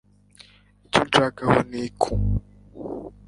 icyo unshakaho niku